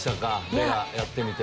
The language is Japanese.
ベラやってみて。